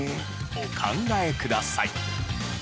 お考えください。